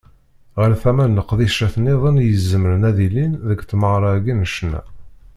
Ɣer tama n leqdicat-nniḍen i izemren ad ilin deg tmeɣra-agi n ccna.